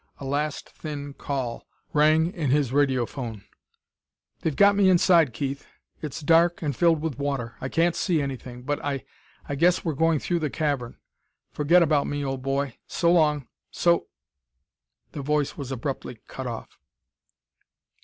A last thin call rang in his radiophone: "They've got me inside, Keith. It's dark, and filled with water. I can't see anything, but I I guess we're going through the cavern.... Forget about me, old boy. So long! So " The voice was abruptly cut off.